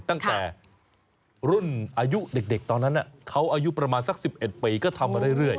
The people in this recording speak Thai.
ตั้งแต่รุ่นอายุเด็กตอนนั้นเขาอายุประมาณสัก๑๑ปีก็ทำมาเรื่อย